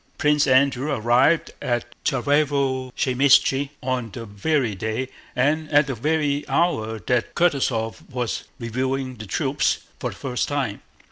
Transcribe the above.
Prince Andrew arrived at Tsárevo Zaymíshche on the very day and at the very hour that Kutúzov was reviewing the troops for the first time.